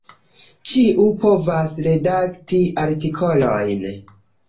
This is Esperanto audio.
Ĉiu povas redakti artikolojn.